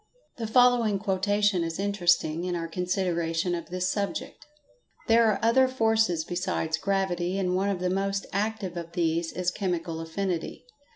The following quotation is interesting, in our consideration of this subject: "There are other forces besides gravity, and one of the most active of these is chemical affinity.